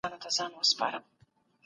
محمدعلم خان